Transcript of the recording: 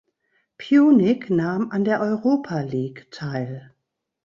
Pjunik nahm an der Europa League teil.